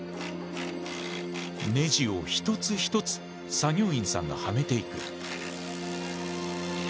ネジを一つ一つ作業員さんがはめていく。